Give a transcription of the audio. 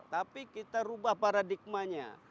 tapi kita rubah paradigmanya